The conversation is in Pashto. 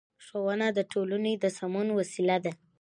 ښوونه د ټولنې د سمون وسیله ده